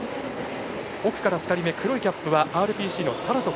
奥から２人目、黒いキャップはＲＰＣ、タラソフ。